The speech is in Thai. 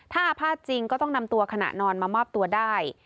ถ้าอาภาษณ์จริงก็ต้องนำตัวขณะนอนมามอบตัวได้